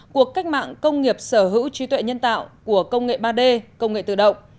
cuộc cách mạng công nghiệp sở hữu trí tuệ nhân tạo của công nghệ ba d công nghệ tự động